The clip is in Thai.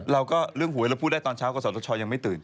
เราก็เรื่องหัวให้เราพูดได้ตอนเช้าก็สวทชยังไม่ตื่น